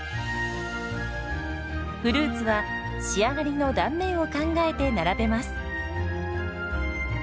フルーツは仕上がりの断面を考えて並べます。